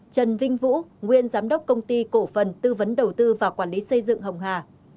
trần vinh vũ nguyên giám đốc công ty cổ phần tư vấn đầu tư và quản lý xây dựng hồng hà